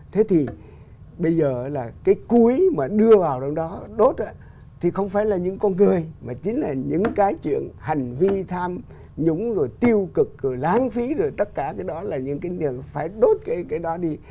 thế thì bây giờ là cái cuối mà đưa vào đâu đó đốt thì không phải là những con người mà chính là những cái chuyện hành vi tham nhũng rồi tiêu cực rồi lãng phí rồi tất cả cái đó là những cái việc phải đốt cái đó đi